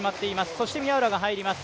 そして宮浦が入ります。